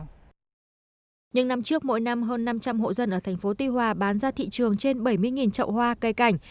những năm trước mỗi năm hơn năm trăm linh hộ dân ở thành phố tuy hòa bán ra thị trường trên bảy mươi trậu hoa cây cảnh